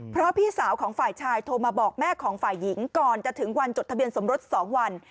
เพราะพี่สาวของฝ่ายชายโทรมาบอกแม่ของฝ่ายหญิงก่อนจะถึงวันจดทะเบียนสมรส๒วัน